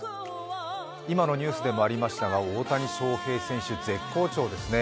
今のニュースでもありましたが大谷翔平選手、絶好調ですね。